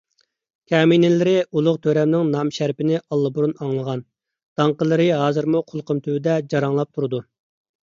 كەمىنىلىرى ئۇلۇغ تۆرەمنىڭ نامىشەرىپىنى ئاللىبۇرۇن ئاڭلىغان، داڭقىلىرى ھازىرمۇ قۇلىقىم تۈۋىدە جاراڭلاپ تۇرىدۇ.